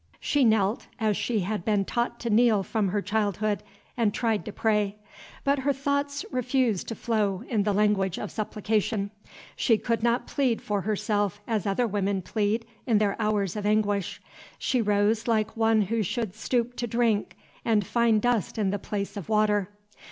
She knelt, as she had been taught to kneel from her childhood, and tried to pray. But her thoughts refused to flow in the language of supplication. She could not plead for herself as other women plead in their hours of anguish. She rose like one who should stoop to drink, and find dust in the place of water.